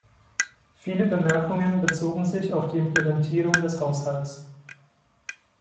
Viele Bemerkungen bezogen sich auf die Implementierung des Haushalts.